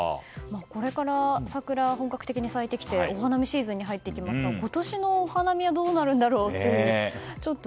これから桜、本格的に咲いてきてお花見シーズンに入っていきますが今年のお花見はどうなるんだろうという。